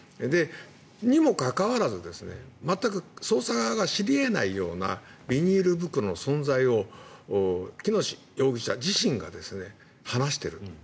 にもかかわらず全く捜査側が知り得ないようなビニール袋の存在を喜熨斗容疑者自身が話している。